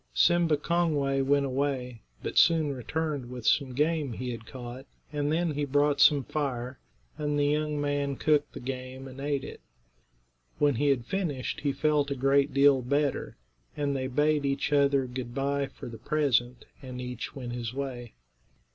Simba Kongway went away, but soon returned with some game he had caught, and then he brought some fire, and the young man cooked the game and ate it. When he had finished he felt a great deal better, and they bade each other good bye for the present, and each went his way.